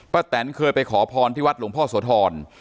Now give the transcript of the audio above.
แตนเคยไปขอพรที่วัดหลวงพ่อโสธร